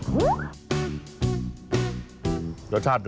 แม่เล็กครับ